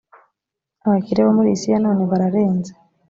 abakire bo muri iyi si ya none bararenze